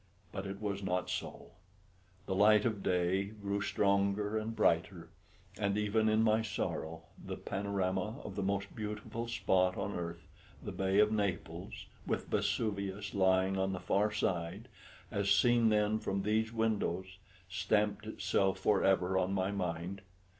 But it was not so; the light of day grew stronger and brighter, and even in my sorrow the panorama of the most beautiful spot on earth, the Bay of Naples, with Vesuvius lying on the far side, as seen then from these windows, stamped itself for ever on my mind.